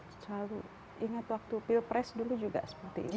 selalu ingat waktu pilpres dulu juga seperti ini